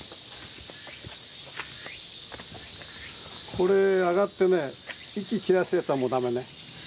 これ上がってね息切らすやつはもう駄目ね。